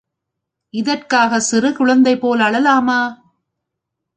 இதற்காகச் சிறு குழந்தையைப் போல் அழலாமா?......